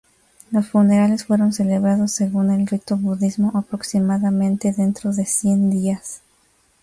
Los funerales fueron celebrados según el rito budismo aproximadamente dentro de cien días.